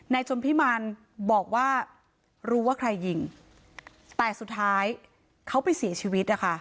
จนพิมารบอกว่ารู้ว่าใครยิงแต่สุดท้ายเขาไปเสียชีวิตนะคะ